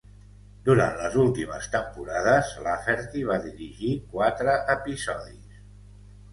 Durant les últimes temporades, Lafferty va dirigir quatre episodis.